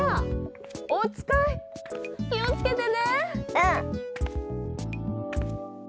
うん！